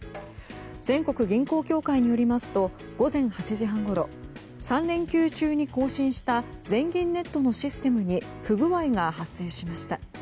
全国銀行協会によりますと午前８時半ごろ３連休中に更新した全銀ネットのシステムに不具合が発生しました。